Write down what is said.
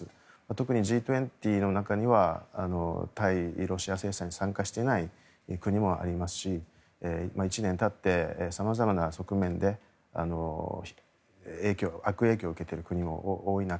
特にＧ２０の中には対ロシア制裁に参加していない国もありますし１年たって様々な側面で悪影響を受けている国も多い中